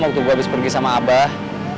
waktu gue habis pergi sama abah